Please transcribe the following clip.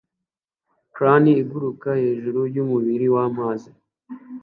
crane iguruka hejuru yumubiri wamazi